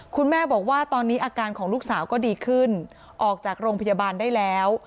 คุณแม่บอกว่าตอนนี้อาการของลูกสาวก็ดีขึ้นออกจากโรงพยาบาลได้แล้ว